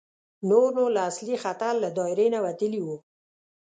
نور نو له اصلي خطر له دایرې نه وتلي وو.